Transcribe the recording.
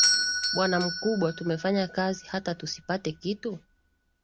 Bwana mkubwa, tumefanya kazi hata tusipate kitu.